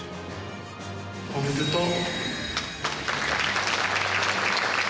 おめでとう。